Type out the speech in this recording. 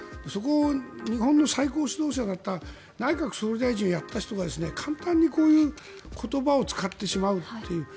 そこを日本の最高指導者だった内閣総理大臣をやった人が簡単にこういう言葉を使ってしまうという。